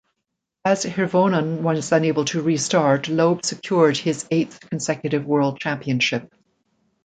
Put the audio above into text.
As Hirvonen was unable to restart, Loeb secured his eighth consecutive world championship.